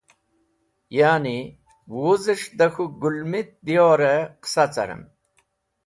ya’ni, wuzes̃h da k̃hũ Gũlmit diyor-e qisa carem.